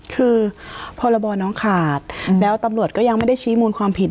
คือพรบน้องขาดแล้วตำรวจก็ยังไม่ได้ชี้มูลความผิด